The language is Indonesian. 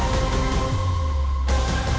sampai jumpa lagi